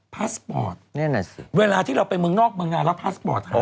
พาสปอร์ตแน่นอนสิเวลาที่เราไปเมืองนอกเมืองนานรับพาสปอร์ตหลายที